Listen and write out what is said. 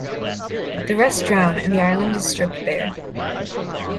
The rest drown, and the island is stripped bare.